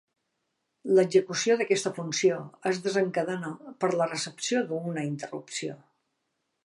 L'execució d'aquesta funció es desencadena per la recepció d'una interrupció.